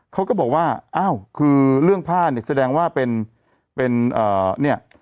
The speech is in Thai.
เขาก็บอกว่าอ้าวคือเรื่องผ้าเนี่ยแสดงว่าเป็นเป็นเนี่ย